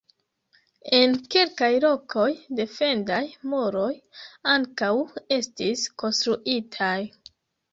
En kelkaj lokoj, defendaj muroj ankaŭ estis konstruitaj.